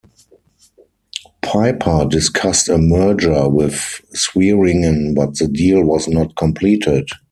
Piper discussed a merger with Swearingen but the deal was not completed.